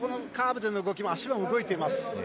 カーブでの動きも足も動いています。